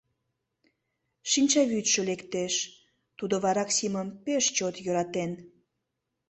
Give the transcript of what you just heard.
Шинчавӱдшӧ лектеш — тудо вараксимым пеш чот йӧратен.